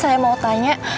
ya sudah ya